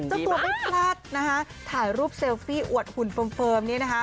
เจ้าตัวไม่พลาดนะคะถ่ายรูปเซลฟี่อวดหุ่นเฟิร์มนี้นะคะ